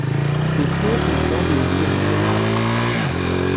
Yefka-asent kra n yiwellihen yelhan.